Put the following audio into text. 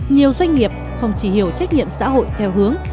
nhiều doanh nghiệp không chỉ hiểu trách nhiệm xã hội theo hướng